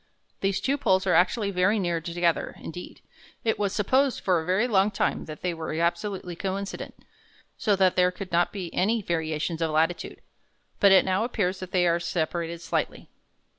These two poles are actually very near together; indeed, it was supposed for a very long time that they were absolutely coincident, so that there could not be any variations of latitude. But it now appears that they are separated slightly.